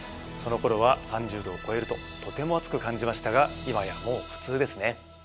そのころは３０℃を超えるととても暑く感じましたが今やもう普通ですね。